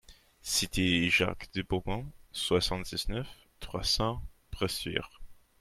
Cité Jacques de Beaumont, soixante-dix-neuf, trois cents Bressuire